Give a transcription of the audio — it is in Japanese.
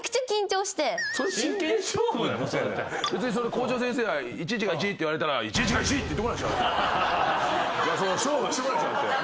校長先生が「１×１が１！」って言われたら「１×１が１！」って言ってこないでしょ？